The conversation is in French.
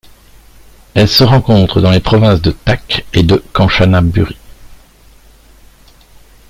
Elle se rencontre dans les provinces de Tak et de Kanchanaburi.